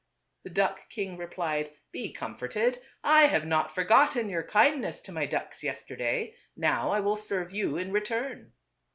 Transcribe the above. The duck king replied, " Be comforted. I have not forgotten your kindness to „ my ducks yesterday. Now ^ I will serve you in re turn."